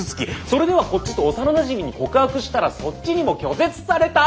それではこっちと幼なじみに告白したらそっちにも拒絶された。